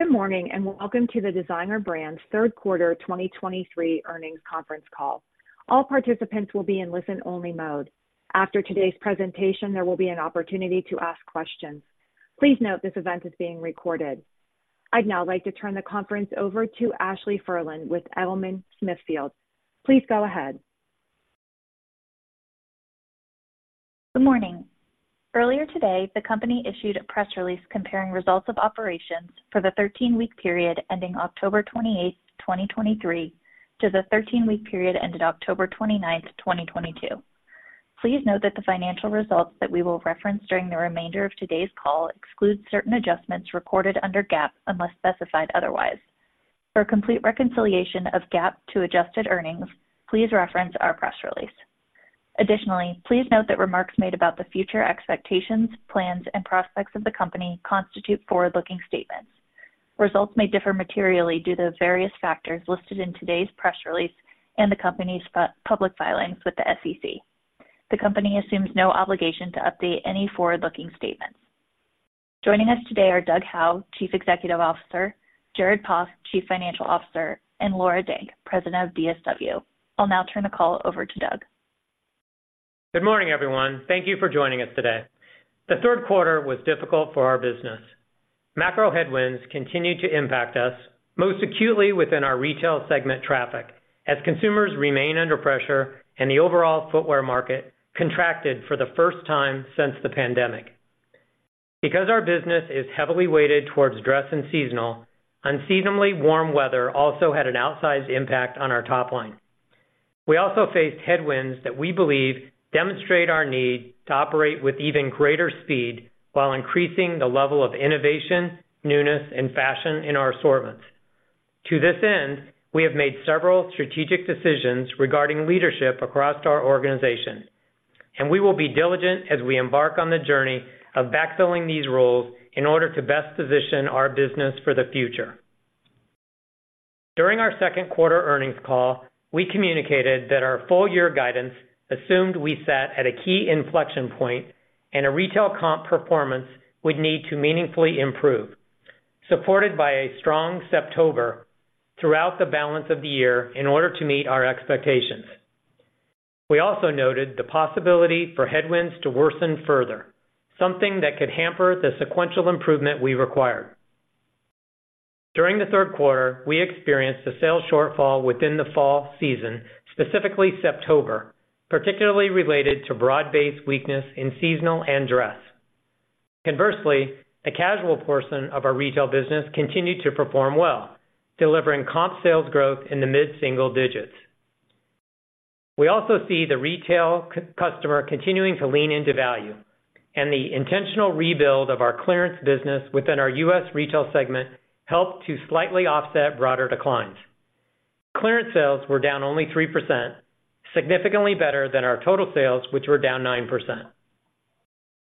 Good morning, and welcome to the Designer Brands Q3 2023 earnings conference call. All participants will be in listen-only mode. After today's presentation, there will be an opportunity to ask questions. Please note this event is being recorded. I'd now like to turn the conference over to Ashley Ferland with Edelman Smithfield. Please go ahead. Good morning. Earlier today, the company issued a press release comparing results of operations for the 13-week period ending October 28, 2023, to the 13-week period ended October 29, 2022. Please note that the financial results that we will reference during the remainder of today's call exclude certain adjustments recorded under GAAP, unless specified otherwise. For a complete reconciliation of GAAP to adjusted earnings, please reference our press release. Additionally, please note that remarks made about the future expectations, plans, and prospects of the company constitute forward-looking statements. Results may differ materially due to various factors listed in today's press release and the company's public filings with the SEC. The company assumes no obligation to update any forward-looking statements. Joining us today are Doug Howe, Chief Executive Officer, Jared Poff, Chief Financial Officer, and Laura Denk, President of DSW. I'll now turn the call over to Doug. Good morning, everyone. Thank you for joining us today. The Q3 was difficult for our business. Macro headwinds continued to impact us, most acutely within our retail segment traffic, as consumers remain under pressure and the overall footwear market contracted for the first time since the pandemic. Because our business is heavily weighted towards dress and seasonal, unseasonably warm weather also had an outsized impact on our top line. We also faced headwinds that we believe demonstrate our need to operate with even greater speed, while increasing the level of innovation, newness, and fashion in our assortments. To this end, we have made several strategic decisions regarding leadership across our organization, and we will be diligent as we embark on the journey of backfilling these roles in order to best position our business for the future. During our Q2 earnings call, we communicated that our full-year guidance assumed we sat at a key inflection point, and our retail comp performance would need to meaningfully improve, supported by a strong Septober throughout the balance of the year in order to meet our expectations. We also noted the possibility for headwinds to worsen further, something that could hamper the sequential improvement we required. During the Q3, we experienced a sales shortfall within the fall season, specifically Septober, particularly related to broad-based weakness in seasonal and dress. Conversely, the casual portion of our retail business continued to perform well, delivering comp sales growth in the mid-single digits. We also see the retail customer continuing to lean into value, and the intentional rebuild of our clearance business within our U.S. retail segment helped to slightly offset broader declines. Clearance sales were down only 3%, significantly better than our total sales, which were down 9%.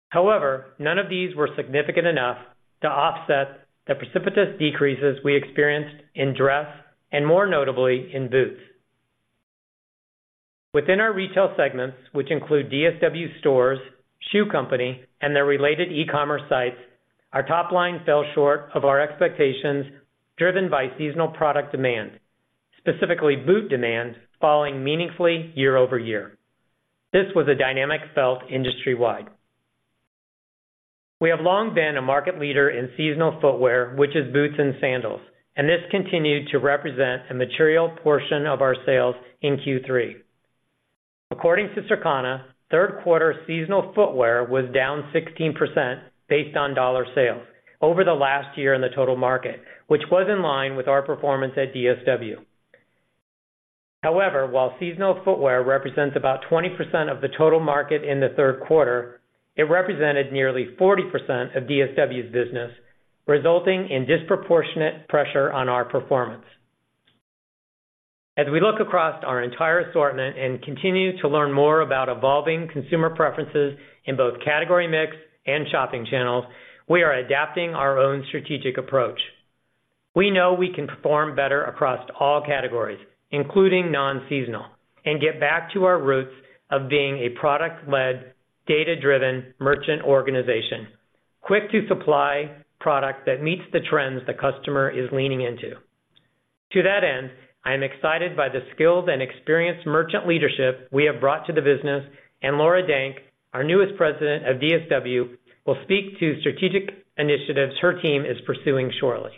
However, none of these were significant enough to offset the precipitous decreases we experienced in dress and, more notably, in boots. Within our retail segments, which include DSW Stores, Shoe Company, and their related e-commerce sites, our top line fell short of our expectations, driven by seasonal product demand, specifically boot demand, falling meaningfully year over year. This was a dynamic felt industry-wide. We have long been a market leader in seasonal footwear, which is boots and sandals, and this continued to represent a material portion of our sales in Q3. According to Circana, Q3 seasonal footwear was down 16% based on dollar sales over the last year in the total market, which was in line with our performance at DSW. However, while seasonal footwear represents about 20% of the total market in the Q3, it represented nearly 40% of DSW's business, resulting in disproportionate pressure on our performance. As we look across our entire assortment and continue to learn more about evolving consumer preferences in both category mix and shopping channels, we are adapting our own strategic approach. We know we can perform better across all categories, including non-seasonal, and get back to our roots of being a product-led, data-driven merchant organization, quick to supply product that meets the trends the customer is leaning into. To that end, I am excited by the skilled and experienced merchant leadership we have brought to the business, and Laura Denk, our newest president of DSW, will speak to strategic initiatives her team is pursuing shortly.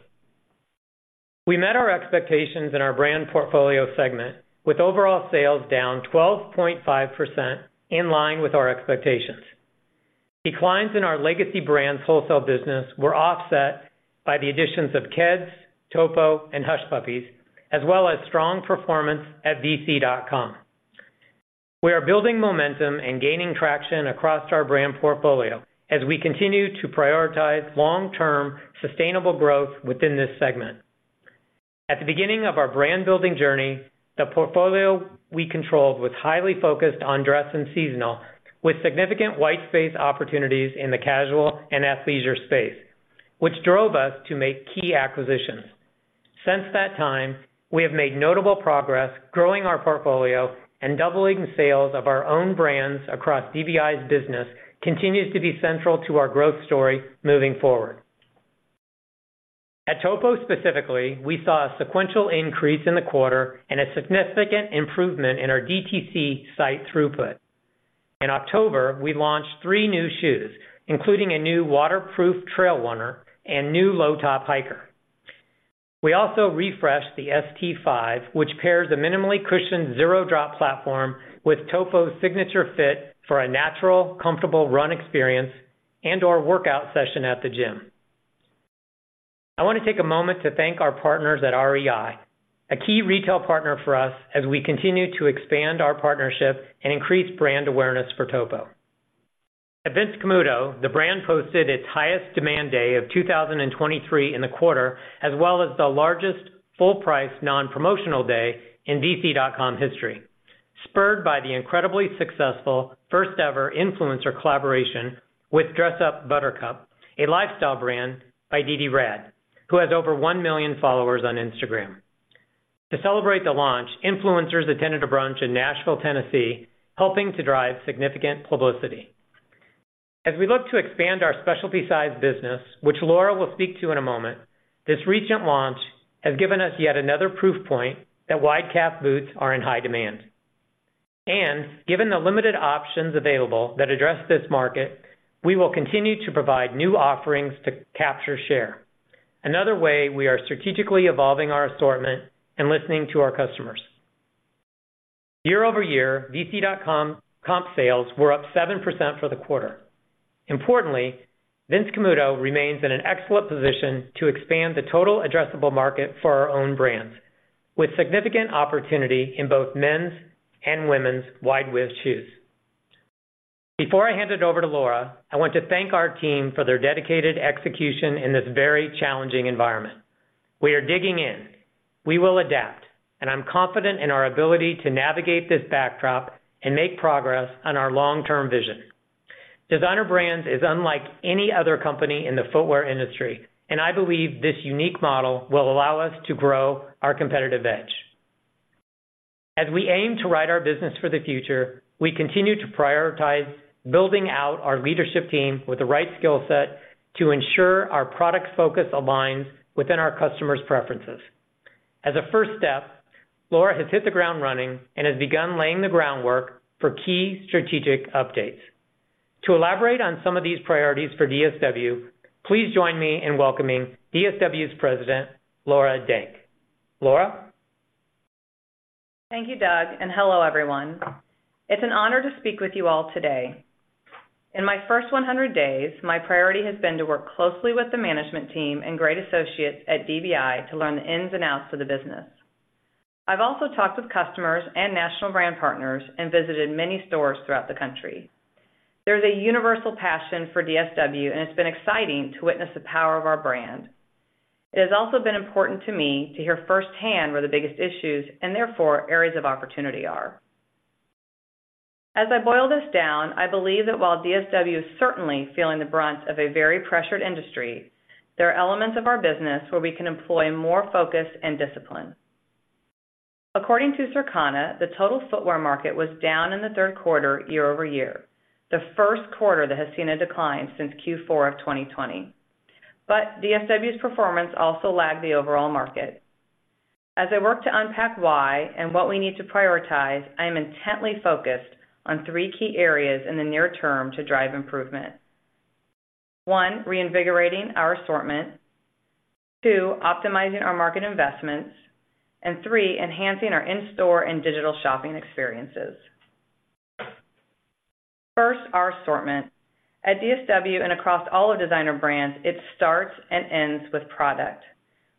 We met our expectations in our brand portfolio segment, with overall sales down 12.5% in line with our expectations. Declines in our legacy brands wholesale business were offset by the additions of Keds, Topo, and Hush Puppies, as well as strong performance at VC.com. We are building momentum and gaining traction across our brand portfolio as we continue to prioritize long-term, sustainable growth within this segment. At the beginning of our brand-building journey, the portfolio we controlled was highly focused on dress and seasonal, with significant white space opportunities in the casual and athleisure space, which drove us to make key acquisitions.... Since that time, we have made notable progress growing our portfolio and doubling sales of our own brands across DBI's business, continues to be central to our growth story moving forward. At Topo specifically, we saw a sequential increase in the quarter and a significant improvement in our DTC site throughput. In October, we launched three new shoes, including a new waterproof trail runner and new low top hiker. We also refreshed the ST-5, which pairs a minimally cushioned zero drop platform with Topo's signature fit for a natural, comfortable run experience and/or workout session at the gym. I want to take a moment to thank our partners at REI, a key retail partner for us as we continue to expand our partnership and increase brand awareness for Topo. At Vince Camuto, the brand posted its highest demand day of 2023 in the quarter, as well as the largest full price non-promotional day in vc.com history, spurred by the incredibly successful first-ever influencer collaboration with Dress Up Buttercup, a lifestyle brand by Dede Raad, who has over 1 million followers on Instagram. To celebrate the launch, influencers attended a brunch in Nashville, Tennessee, helping to drive significant publicity. As we look to expand our specialty size business, which Laura will speak to in a moment, this recent launch has given us yet another proof point that wide calf boots are in high demand. And given the limited options available that address this market, we will continue to provide new offerings to capture share. Another way we are strategically evolving our assortment and listening to our customers. Year-over-year, vc.com comp sales were up 7% for the quarter. Importantly, Vince Camuto remains in an excellent position to expand the total addressable market for our own brands, with significant opportunity in both men's and women's wide width shoes. Before I hand it over to Laura, I want to thank our team for their dedicated execution in this very challenging environment. We are digging in. We will adapt, and I'm confident in our ability to navigate this backdrop and make progress on our long-term vision. Designer Brands is unlike any other company in the footwear industry, and I believe this unique model will allow us to grow our competitive edge. As we aim to right our business for the future, we continue to prioritize building out our leadership team with the right skill set to ensure our product focus aligns within our customers' preferences. As a first step, Laura has hit the ground running and has begun laying the groundwork for key strategic updates. To elaborate on some of these priorities for DSW, please join me in welcoming DSW's President, Laura Denk. Laura? Thank you, Doug, and hello, everyone. It's an honor to speak with you all today. In my first 100 days, my priority has been to work closely with the management team and great associates at DBI to learn the ins and outs of the business. I've also talked with customers and national brand partners and visited many stores throughout the country. There's a universal passion for DSW, and it's been exciting to witness the power of our brand. It has also been important to me to hear firsthand where the biggest issues and therefore areas of opportunity are. As I boil this down, I believe that while DSW is certainly feeling the brunt of a very pressured industry, there are elements of our business where we can employ more focus and discipline. According to Circana, the total footwear market was down in the Q3, quarter-over-quarter, the first one that has seen a decline since Q4 of 2020. But DSW's performance also lagged the overall market. As I work to unpack why and what we need to prioritize, I am intently focused on three key areas in the near term to drive improvement. One, reinvigorating our assortment, two, optimizing our market investments, and three, enhancing our in-store and digital shopping experiences. First, our assortment. At DSW and across all of Designer Brands, it starts and ends with product.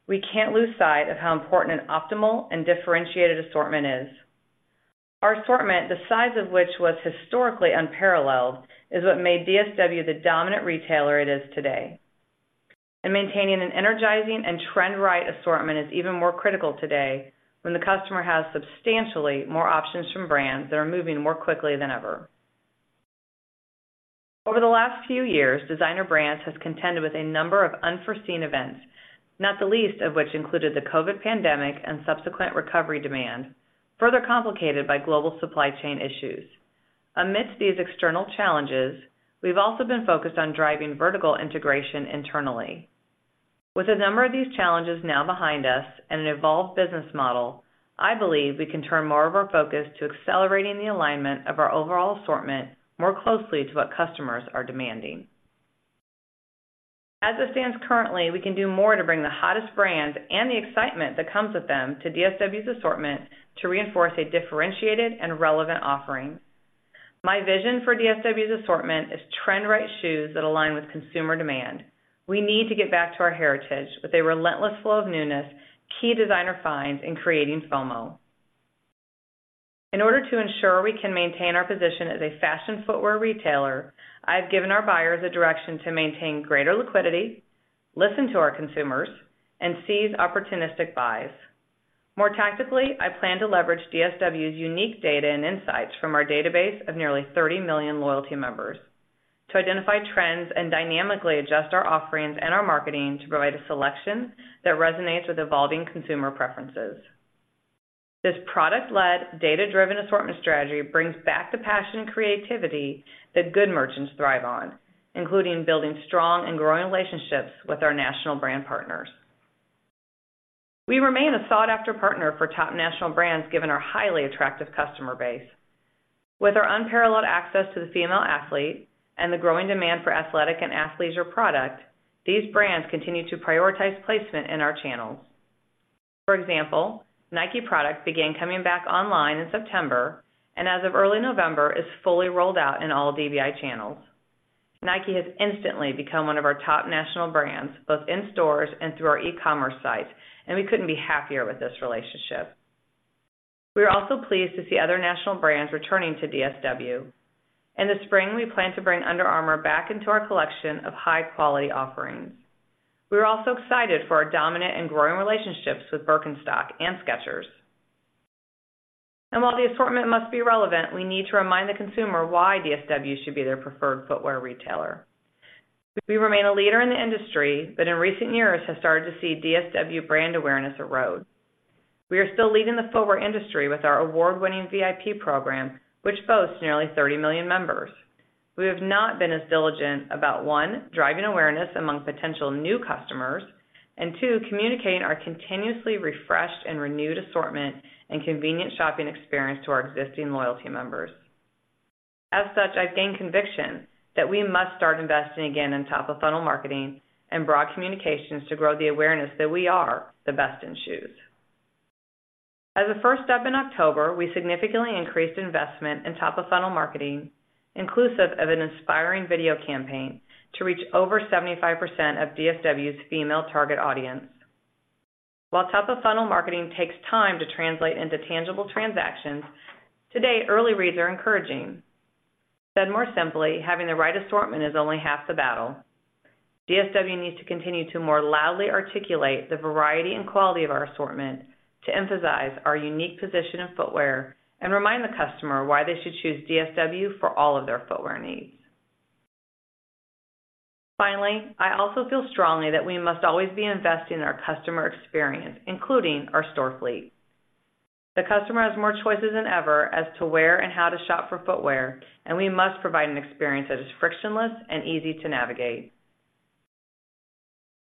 We can't lose sight of how important an optimal and differentiated assortment is. Our assortment, the size of which was historically unparalleled, is what made DSW the dominant retailer it is today. Maintaining an energizing and trend-right assortment is even more critical today when the customer has substantially more options from brands that are moving more quickly than ever. Over the last few years, Designer Brands has contended with a number of unforeseen events, not the least of which included the COVID pandemic and subsequent recovery demand, further complicated by global supply chain issues. Amidst these external challenges, we've also been focused on driving vertical integration internally. With a number of these challenges now behind us and an evolved business model, I believe we can turn more of our focus to accelerating the alignment of our overall assortment more closely to what customers are demanding. As it stands currently, we can do more to bring the hottest brands and the excitement that comes with them to DSW's assortment to reinforce a differentiated and relevant offering. My vision for DSW's assortment is trend-right shoes that align with consumer demand. We need to get back to our heritage with a relentless flow of newness, key designer finds, and creating FOMO. In order to ensure we can maintain our position as a fashion footwear retailer, I've given our buyers a direction to maintain greater liquidity, listen to our consumers, and seize opportunistic buys. More tactically, I plan to leverage DSW's unique data and insights from our database of nearly 30 million loyalty members to identify trends and dynamically adjust our offerings and our marketing to provide a selection that resonates with evolving consumer preferences. This product-led, data-driven assortment strategy brings back the passion and creativity that good merchants thrive on, including building strong and growing relationships with our national brand partners. We remain a sought-after partner for top national brands, given our highly attractive customer base. With our unparalleled access to the female athlete and the growing demand for athletic and athleisure product, these brands continue to prioritize placement in our channels. For example, Nike products began coming back online in September, and as of early November, is fully rolled out in all DBI channels. Nike has instantly become one of our top national brands, both in stores and through our e-commerce site, and we couldn't be happier with this relationship. We are also pleased to see other national brands returning to DSW. In the spring, we plan to bring Under Armour back into our collection of high-quality offerings. We are also excited for our dominant and growing relationships with Birkenstock and Skechers. And while the assortment must be relevant, we need to remind the consumer why DSW should be their preferred footwear retailer. We remain a leader in the industry, but in recent years have started to see DSW brand awareness erode. We are still leading the footwear industry with our award-winning VIP program, which boasts nearly 30 million members. We have not been as diligent about, one, driving awareness among potential new customers, and 2, communicating our continuously refreshed and renewed assortment and convenient shopping experience to our existing loyalty members. As such, I've gained conviction that we must start investing again in top-of-funnel marketing and broad communications to grow the awareness that we are the best in shoes. As a first step in October, we significantly increased investment in top-of-funnel marketing, inclusive of an inspiring video campaign to reach over 75% of DSW's female target audience. While top-of-funnel marketing takes time to translate into tangible transactions, today, early reads are encouraging. Said more simply, having the right assortment is only half the battle. DSW needs to continue to more loudly articulate the variety and quality of our assortment to emphasize our unique position in footwear and remind the customer why they should choose DSW for all of their footwear needs. Finally, I also feel strongly that we must always be investing in our customer experience, including our store fleet. The customer has more choices than ever as to where and how to shop for footwear, and we must provide an experience that is frictionless and easy to navigate.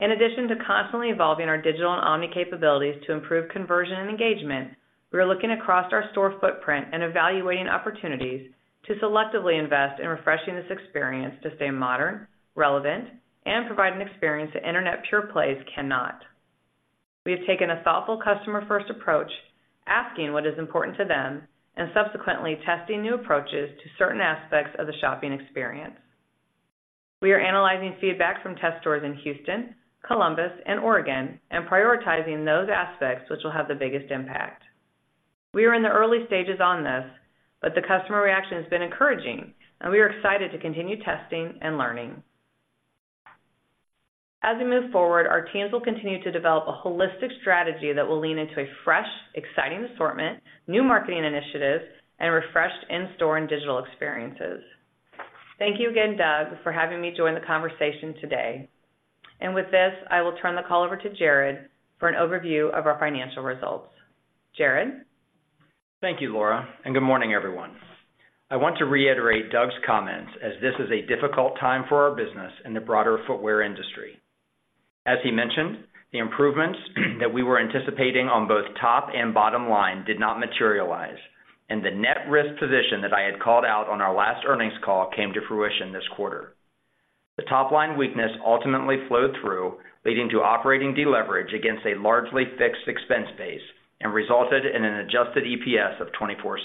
In addition to constantly evolving our digital and omni capabilities to improve conversion and engagement, we are looking across our store footprint and evaluating opportunities to selectively invest in refreshing this experience to stay modern, relevant, and provide an experience that internet pure plays cannot. We have taken a thoughtful customer-first approach, asking what is important to them, and subsequently testing new approaches to certain aspects of the shopping experience. We are analyzing feedback from test stores in Houston, Columbus, and Oregon, and prioritizing those aspects which will have the biggest impact. We are in the early stages on this, but the customer reaction has been encouraging, and we are excited to continue testing and learning. As we move forward, our teams will continue to develop a holistic strategy that will lean into a fresh, exciting assortment, new marketing initiatives, and refreshed in-store and digital experiences. Thank you again, Doug, for having me join the conversation today. And with this, I will turn the call over to Jared for an overview of our financial results. Jared? Thank you, Laura, and good morning, everyone. I want to reiterate Doug's comments, as this is a difficult time for our business and the broader footwear industry. As he mentioned, the improvements that we were anticipating on both top and bottom line did not materialize, and the net risk position that I had called out on our last earnings call came to fruition this quarter. The top-line weakness ultimately flowed through, leading to operating deleverage against a largely fixed expense base and resulted in an adjusted EPS of $0.24.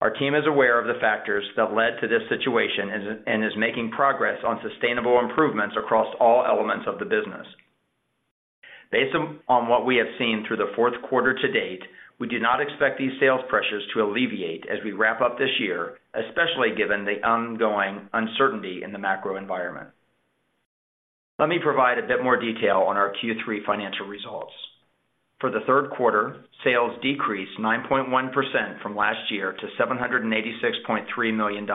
Our team is aware of the factors that led to this situation and is making progress on sustainable improvements across all elements of the business. Based on what we have seen through the fourth quarter to date, we do not expect these sales pressures to alleviate as we wrap up this year, especially given the ongoing uncertainty in the macro environment. Let me provide a bit more detail on our Q3 financial results. For the Q3, sales decreased 9.1% from last year to $786.3 million.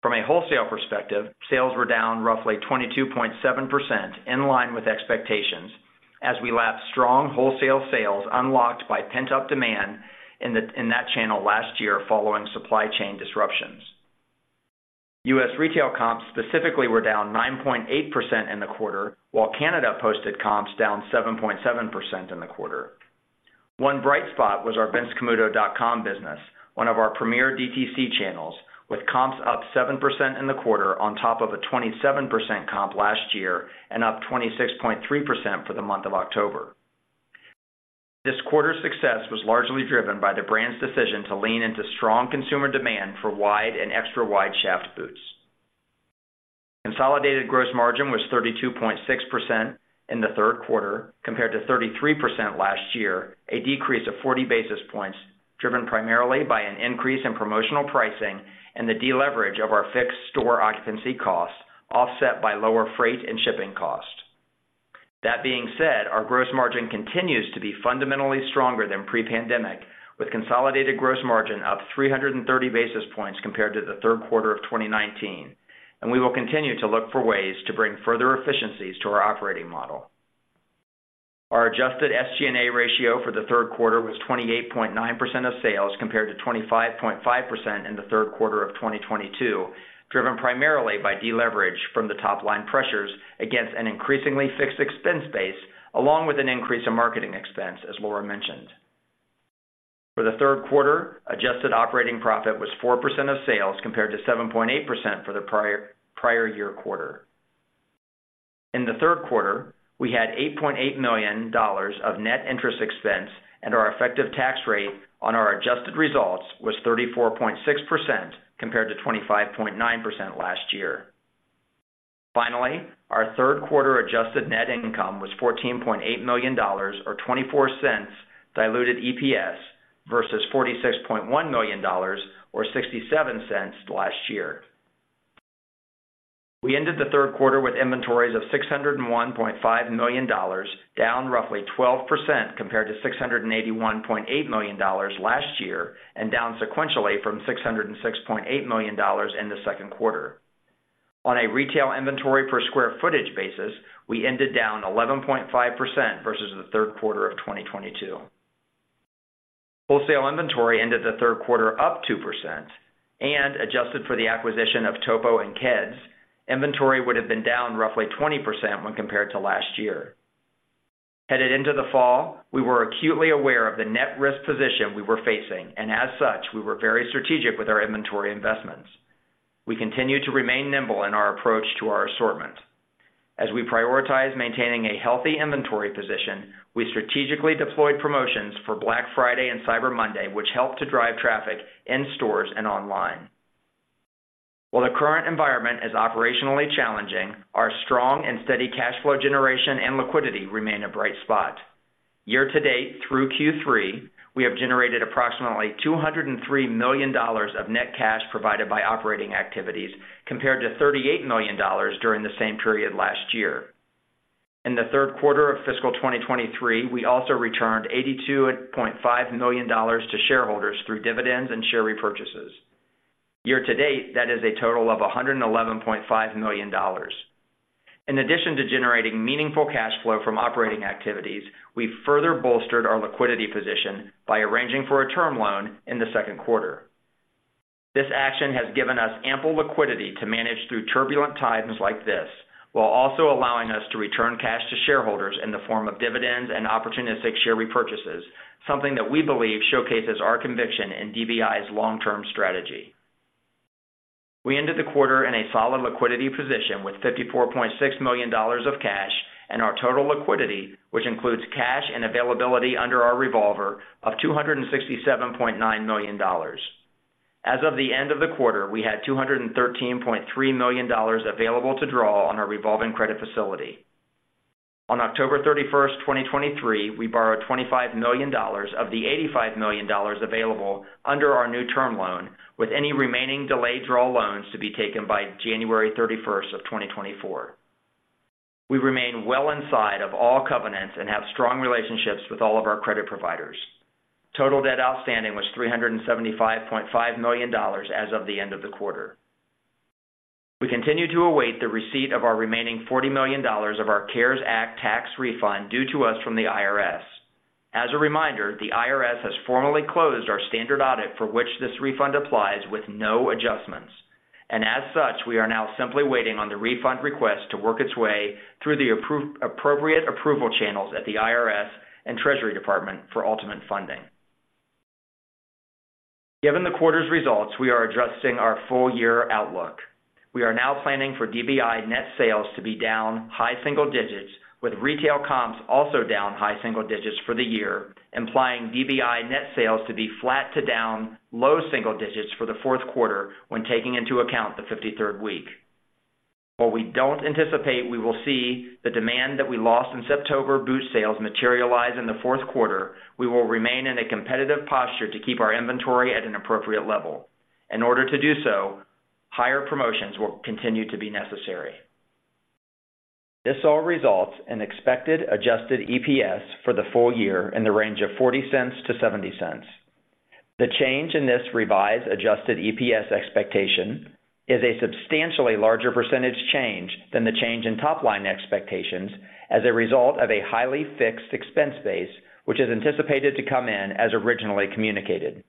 From a wholesale perspective, sales were down roughly 22.7%, in line with expectations, as we lapped strong wholesale sales unlocked by pent-up demand in that channel last year, following supply chain disruptions. US retail comps specifically were down 9.8% in the quarter, while Canada posted comps down 7.7% in the quarter. One bright spot was our VinceCamuto.com business, one of our premier DTC channels, with comps up 7% in the quarter on top of a 27% comp last year and up 26.3% for the month of October. This quarter's success was largely driven by the brand's decision to lean into strong consumer demand for wide and extra-wide shaft boots. Consolidated gross margin was 32.6% in the Q3, compared to 33% last year, a decrease of 40 basis points, driven primarily by an increase in promotional pricing and the deleverage of our fixed store occupancy costs, offset by lower freight and shipping costs. That being said, our gross margin continues to be fundamentally stronger than pre-pandemic, with consolidated gross margin up 300 basis points compared to the Q3 of 2019, and we will continue to look for ways to bring further efficiencies to our operating model. Our adjusted SG&A ratio for the Q3 was 28.9% of sales, compared to 25.5% in the Q3 of 2022, driven primarily by deleverage from the top-line pressures against an increasingly fixed expense base, along with an increase in marketing expense, as Laura mentioned. For the Q3, adjusted operating profit was 4% of sales, compared to 7.8% for the prior, prior year quarter. In the Q3, we had $8.8 million of net interest expense, and our effective tax rate on our adjusted results was 34.6%, compared to 25.9% last year. Finally, our Q3 adjusted net income was $14.8 million, or $0.24 diluted EPS, versus $46.1 million, or $0.67 last year. We ended the Q3 with inventories of $601.5 million, down roughly 12% compared to $681.8 million last year, and down sequentially from $606.8 million in the Q2. On a retail inventory per square footage basis, we ended down 11.5% versus the Q3 of 2022. Wholesale inventory ended the Q3 up 2%, and adjusted for the acquisition of Topo and Keds, inventory would have been down roughly 20% when compared to last year. Headed into the fall, we were acutely aware of the net risk position we were facing, and as such, we were very strategic with our inventory investments. We continue to remain nimble in our approach to our assortment. As we prioritize maintaining a healthy inventory position, we strategically deployed promotions for Black Friday and Cyber Monday, which helped to drive traffic in stores and online. While the current environment is operationally challenging, our strong and steady cash flow generation and liquidity remain a bright spot. Year to date, through Q3, we have generated approximately $203 million of net cash provided by operating activities, compared to $38 million during the same period last year. In the Q3 of fiscal 2023, we also returned $82.5 million to shareholders through dividends and share repurchases. Year to date, that is a total of $111.5 million. In addition to generating meaningful cash flow from operating activities, we further bolstered our liquidity position by arranging for a term loan in the Q2. This action has given us ample liquidity to manage through turbulent times like this, while also allowing us to return cash to shareholders in the form of dividends and opportunistic share repurchases, something that we believe showcases our conviction in DBI's long-term strategy. We ended the quarter in a solid liquidity position with $54.6 million of cash and our total liquidity, which includes cash and availability under our revolver of $267.9 million. As of the end of the quarter, we had $213.3 million available to draw on our revolving credit facility. On October 31, 2023, we borrowed $25 million of the $85 million available under our new term loan, with any remaining delayed draw loans to be taken by January 31, 2024. We remain well inside of all covenants and have strong relationships with all of our credit providers. Total debt outstanding was $375.5 million as of the end of the quarter. We continue to await the receipt of our remaining $40 million of our CARES Act tax refund due to us from the IRS. As a reminder, the IRS has formally closed our standard audit for which this refund applies, with no adjustments, and as such, we are now simply waiting on the refund request to work its way through the appropriate approval channels at the IRS and Treasury Department for ultimate funding. Given the quarter's results, we are adjusting our full year outlook. We are now planning for DBI net sales to be down high single digits, with retail comps also down high single digits for the year, implying DBI net sales to be flat to down low single digits for the fourth quarter when taking into account the fifty-third week. While we don't anticipate we will see the demand that we lost in September boot sales materialize in the fourth quarter, we will remain in a competitive posture to keep our inventory at an appropriate level. In order to do so, higher promotions will continue to be necessary. This all results in expected adjusted EPS for the full year in the range of $0.40-$0.70. The change in this revised adjusted EPS expectation is a substantially larger percentage change than the change in top-line expectations as a result of a highly fixed expense base, which is anticipated to come in as originally communicated.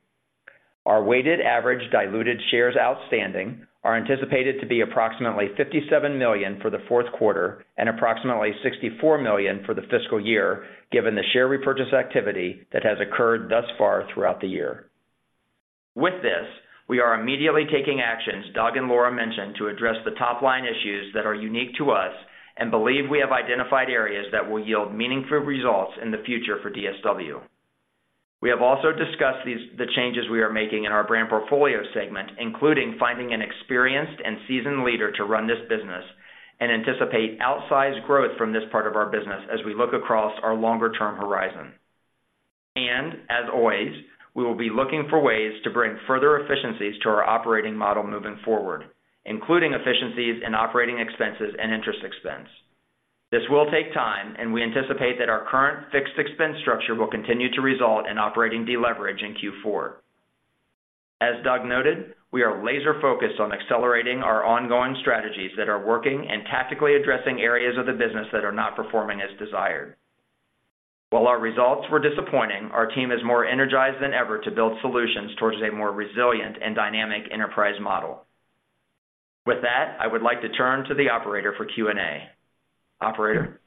Our weighted average diluted shares outstanding are anticipated to be approximately 57 million for the fourth quarter and approximately 64 million for the fiscal year, given the share repurchase activity that has occurred thus far throughout the year. With this, we are immediately taking actions Doug and Laura mentioned to address the top-line issues that are unique to us and believe we have identified areas that will yield meaningful results in the future for DSW. We have also discussed these, the changes we are making in our brand portfolio segment, including finding an experienced and seasoned leader to run this business and anticipate outsized growth from this part of our business as we look across our longer term horizon. As always, we will be looking for ways to bring further efficiencies to our operating model moving forward, including efficiencies in operating expenses and interest expense. This will take time, and we anticipate that our current fixed expense structure will continue to result in operating deleverage in Q4. As Doug noted, we are laser focused on accelerating our ongoing strategies that are working and tactically addressing areas of the business that are not performing as desired. While our results were disappointing, our team is more energized than ever to build solutions towards a more resilient and dynamic enterprise model. With that, I would like to turn to the operator for Q&A. Operator?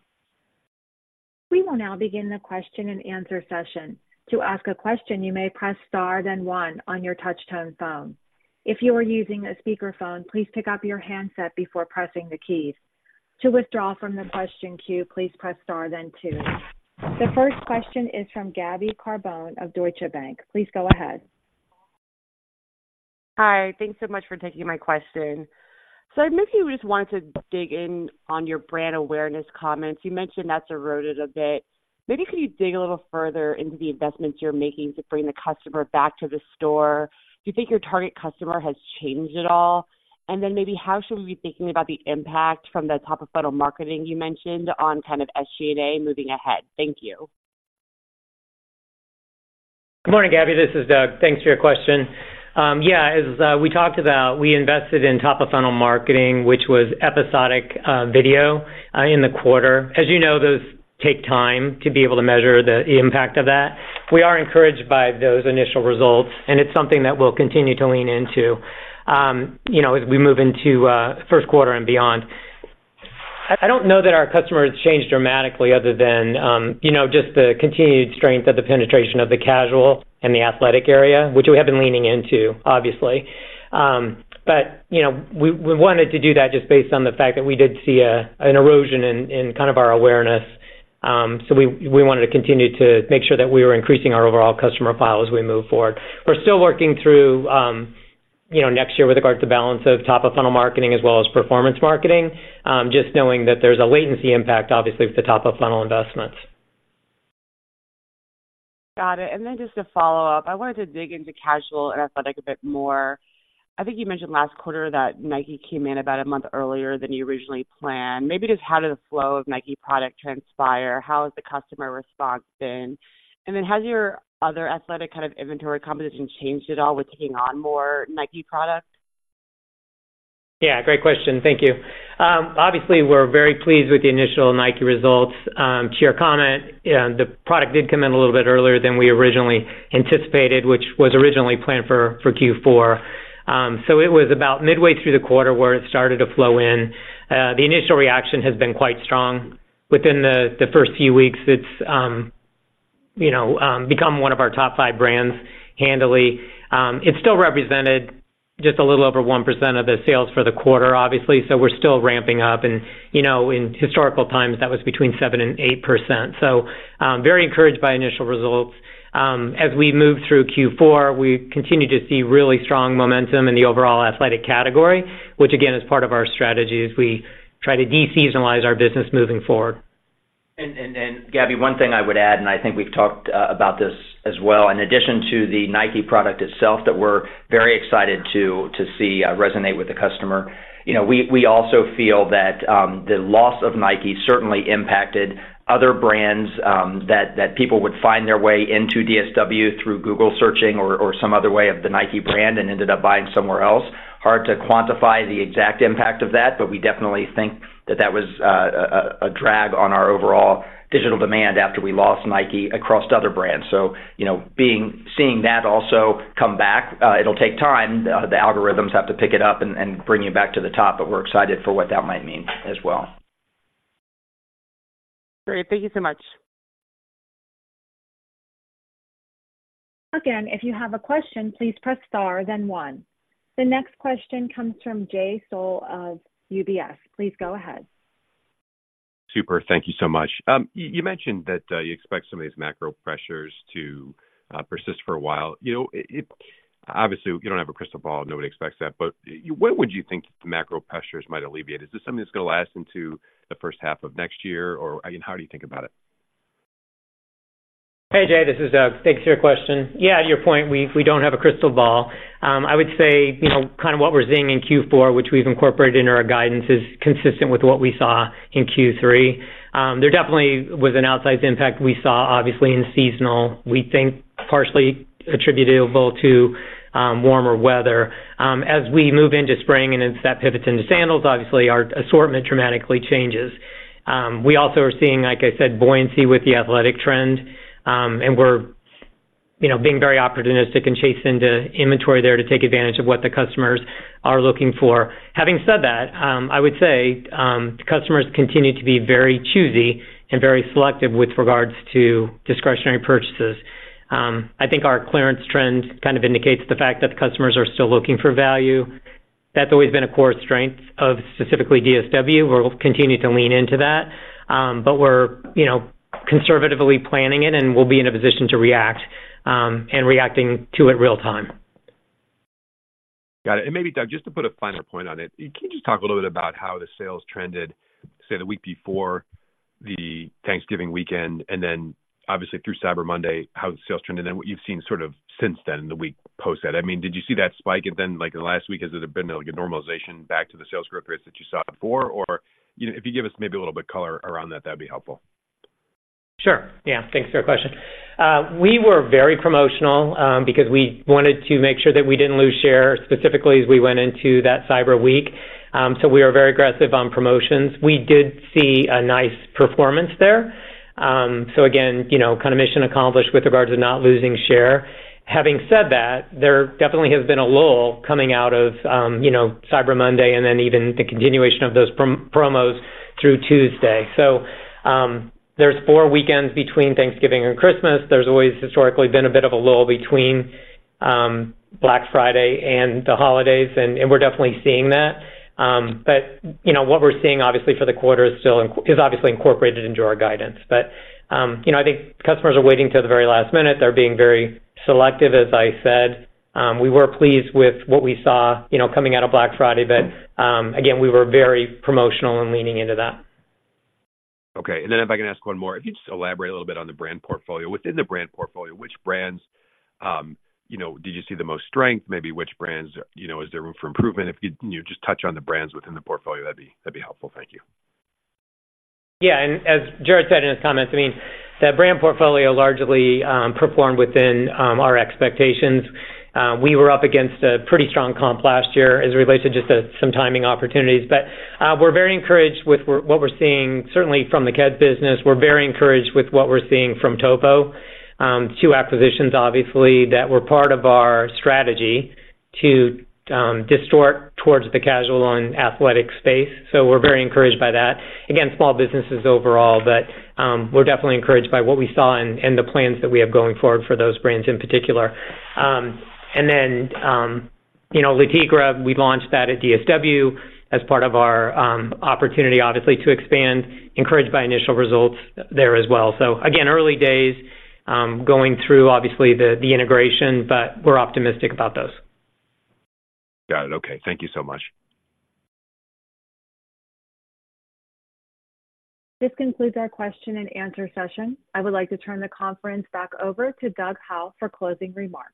We will now begin the question-and-answer session. To ask a question, you may press star then one on your touchtone phone. If you are using a speakerphone, please pick up your handset before pressing the keys. To withdraw from the question queue, please press star then two. The first question is from Gabby Carbone of Deutsche Bank. Please go ahead. Hi, thanks so much for taking my question. I maybe just wanted to dig in on your brand awareness comments. You mentioned that's eroded a bit. Maybe could you dig a little further into the investments you're making to bring the customer back to the store? Do you think your target customer has changed at all? And then maybe how should we be thinking about the impact from the top-of-funnel marketing you mentioned on kind of SG&A moving ahead? Thank you. Good morning, Gabby, this is Doug. Thanks for your question. Yeah, as we talked about, we invested in top-of-funnel marketing, which was episodic, video, in the quarter. As you know, those take time to be able to measure the impact of that. We are encouraged by those initial results, and it's something that we'll continue to lean into, you know, as we move into Q1 and beyond. I don't know that our customers changed dramatically other than, you know, just the continued strength of the penetration of the casual and the athletic area, which we have been leaning into, obviously. But, you know, we wanted to do that just based on the fact that we did see a, an erosion in kind of our awareness. So we wanted to continue to make sure that we were increasing our overall customer file as we move forward. We're still working through, you know, next year with regards to balance of Top-of-Funnel Marketing as well as performance marketing, just knowing that there's a latency impact, obviously, with the Top-of-Funnel investments. Got it. And then just to follow up, I wanted to dig into casual and athletic a bit more. I think you mentioned last quarter that Nike came in about a month earlier than you originally planned. Maybe just how did the flow of Nike product transpire? How has the customer response been? And then has your other athletic kind of inventory composition changed at all with taking on more Nike products? Yeah, great question. Thank you. Obviously, we're very pleased with the initial Nike results. To your comment, the product did come in a little bit earlier than we originally anticipated, which was originally planned for, for Q4. So it was about midway through the quarter where it started to flow in. The initial reaction has been quite strong. Within the first few weeks, it's, you know, become one of our top five brands handily. It's still represented just a little over 1% of the sales for the quarter, obviously, so we're still ramping up. And, you know, in historical times, that was between 7% and 8%. So, very encouraged by initial results. As we moved through Q4, we continued to see really strong momentum in the overall athletic category, which again, is part of our strategy as we try to de-seasonalize our business moving forward. Gabby, one thing I would add, and I think we've talked about this as well. In addition to the Nike product itself that we're very excited to see resonate with the customer, you know, we also feel that the loss of Nike certainly impacted other brands that people would find their way into DSW through Google searching or some other way of the Nike brand and ended up buying somewhere else. Hard to quantify the exact impact of that, but we definitely think that that was a drag on our overall digital demand after we lost Nike across other brands. So, you know, seeing that also come back, it'll take time. The algorithms have to pick it up and bring it back to the top, but we're excited for what that might mean as well. Great. Thank you so much. Again, if you have a question, please press star then one. The next question comes from Jay Sole of UBS. Please go ahead. Super. Thank you so much. You mentioned that you expect some of these macro pressures to persist for a while. You know, it, obviously, you don't have a crystal ball, nobody expects that, but when would you think the macro pressures might alleviate? Is this something that's going to last into the H1 of next year, or, I mean, how do you think about it? Hey, Jay, this is Doug. Thanks for your question. Yeah, to your point, we don't have a crystal ball. I would say, you know, kind of what we're seeing in Q4, which we've incorporated into our guidance, is consistent with what we saw in Q3. There definitely was an outsized impact we saw, obviously, in seasonal, we think partially attributable to warmer weather. As we move into spring and as that pivots into sandals, obviously, our assortment dramatically changes. We also are seeing, like I said, buoyancy with the athletic trend, and we're, you know, being very opportunistic and chasing the inventory there to take advantage of what the customers are looking for. Having said that, I would say, customers continue to be very choosy and very selective with regards to discretionary purchases. I think our clearance trend kind of indicates the fact that the customers are still looking for value. That's always been a core strength of specifically DSW. We'll continue to lean into that, but we're, you know, conservatively planning it, and we'll be in a position to react, and reacting to it real-time.... Got it. And maybe, Doug, just to put a finer point on it, can you just talk a little bit about how the sales trended, say, the week before the Thanksgiving weekend, and then obviously through Cyber Monday, how sales trended and what you've seen sort of since then, in the week post that? I mean, did you see that spike? And then, like, in the last week, has it been like a normalization back to the sales growth rates that you saw before? Or if you give us maybe a little bit color around that, that'd be helpful. Sure. Yeah. Thanks for your question. We were very promotional because we wanted to make sure that we didn't lose share, specifically as we went into that Cyber Week. So we were very aggressive on promotions. We did see a nice performance there. So again, you know, kind of mission accomplished with regards to not losing share. Having said that, there definitely has been a lull coming out of, you know, Cyber Monday, and then even the continuation of those promos through Tuesday. So there's four weekends between Thanksgiving and Christmas. There's always historically been a bit of a lull between Black Friday and the holidays, and we're definitely seeing that. But, you know, what we're seeing, obviously, for the quarter is still is obviously incorporated into our guidance. But, you know, I think customers are waiting till the very last minute. They're being very selective as I said. We were pleased with what we saw, you know, coming out of Black Friday. But, again, we were very promotional and leaning into that. Okay. And then if I can ask one more, if you'd just elaborate a little bit on the brand portfolio. Within the brand portfolio, which brands, you know, did you see the most strength? Maybe which brands, you know, is there room for improvement? If you just touch on the brands within the portfolio, that'd be, that'd be helpful. Thank you. Yeah, and as Jared said in his comments, I mean, the brand portfolio largely performed within our expectations. We were up against a pretty strong comp last year as it relates to just some timing opportunities. But, we're very encouraged with what we're seeing, certainly from the Keds business. We're very encouraged with what we're seeing from Topo. Two acquisitions, obviously, that were part of our strategy to pivot towards the casual and athletic space, so we're very encouraged by that. Again, small businesses overall, but, we're definitely encouraged by what we saw and, and the plans that we have going forward for those brands in particular. And then, you know, Le Tigre, we launched that at DSW as part of our opportunity, obviously, to expand, encouraged by initial results there as well. So again, early days, going through obviously the integration, but we're optimistic about those. Got it. Okay. Thank you so much. This concludes our question and answer session. I would like to turn the conference back over to Doug Howe for closing remarks.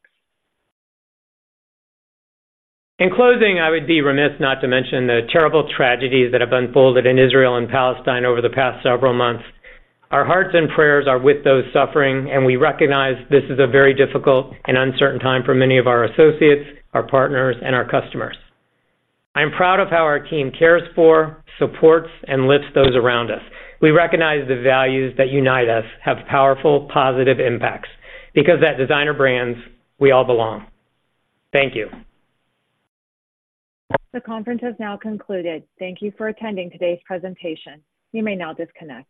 In closing, I would be remiss not to mention the terrible tragedies that have unfolded in Israel and Palestine over the past several months. Our hearts and prayers are with those suffering, and we recognize this is a very difficult and uncertain time for many of our associates, our partners, and our customers. I'm proud of how our team cares for, supports, and lifts those around us. We recognize the values that unite us have powerful, positive impacts, because at Designer Brands, we all belong. Thank you. The conference has now concluded. Thank you for attending today's presentation. You may now disconnect.